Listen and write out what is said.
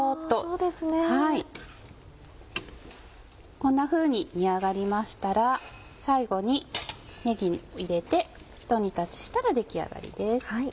こんなふうに煮上がりましたら最後にねぎを入れてひと煮立ちしたら出来上がりです。